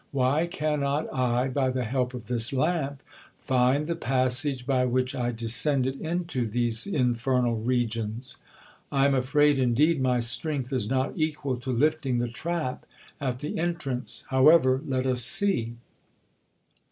Why cannot I, by the help of this lamp, find the passage by which I descended into these infernal regions ? I am afraid, indeed, my strength is not equal to lifting the trap at the entrance. However, let us see.